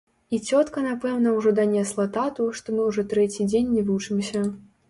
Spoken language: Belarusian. І цётка, напэўна, ужо данесла тату, што мы ўжо трэці дзень не вучымся.